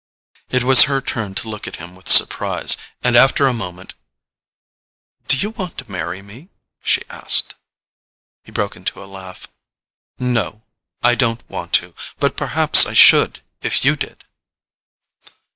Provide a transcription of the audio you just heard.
It was her turn to look at him with surprise; and after a moment—"Do you want to marry me?" she asked. He broke into a laugh. "No, I don't want to—but perhaps I should if you did!"